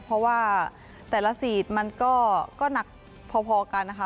เพราะว่าแต่ละสีดมันก็หนักพอกันนะคะ